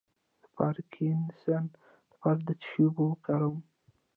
د پارکینسن لپاره د څه شي اوبه وکاروم؟